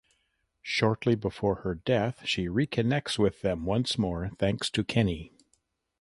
Shortly before her death she reconnects with them once more thanks to Kenny.